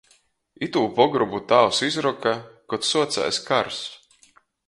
Itū pogrobu tāvs izroka, kod suocēs kars.